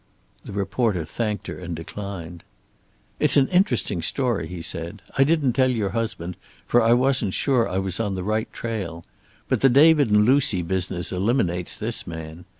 The reporter thanked her and declined. "It's an interesting story," he said. "I didn't tell your husband, for I wasn't sure I was on the right trail. But the David and Lucy business eliminates this man.